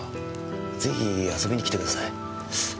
ぜひ遊びに来てください。